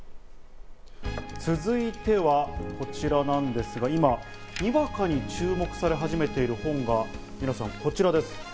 続いては、こちらなんですが、今、にわかに注目され始めている本がこちらです。